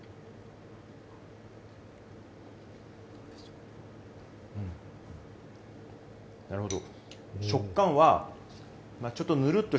うん、なるほど。